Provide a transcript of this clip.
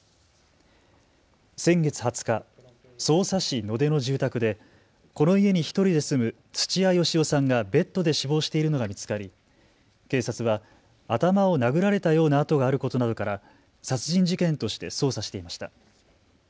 先月２０日、匝瑳市野手の住宅でこの家に１人で住む土屋好夫さんがベッドで死亡しているのが見つかり警察は頭を殴られたような痕があることなどから殺人事件として捜査していました。